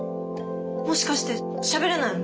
もしかしてしゃべれないの？